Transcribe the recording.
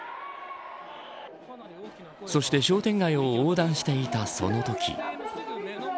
そして商店街を横断していたそのとき。